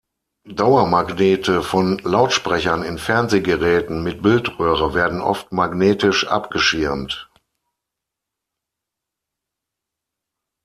Dauermagnete von Lautsprechern in Fernsehgeräten mit Bildröhre werden oft magnetisch abgeschirmt.